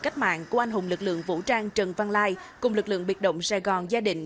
cách mạng của anh hùng lực lượng vũ trang trần văn lai cùng lực lượng biệt động sài gòn gia đình